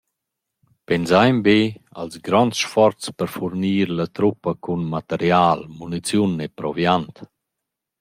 Pensain be als gronds sforzs per furnir la truppa cun material, muniziun e proviant.